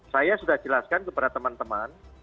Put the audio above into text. saya sudah jelaskan kepada teman teman